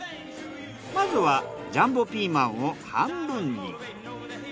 まずはジャンボピーマンを半分に。